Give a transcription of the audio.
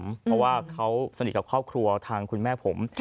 เพราะว่าเขาสนิทกับครอบครัวทางคุณแม่ผม